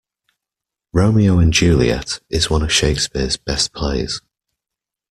Romeo and Juliet is one of Shakespeare’s best plays